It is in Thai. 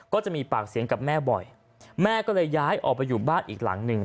ก็จะมีปากเสียงกับแม่บ่อยแม่ก็เลยย้ายออกไปอยู่บ้านอีกหลังหนึ่ง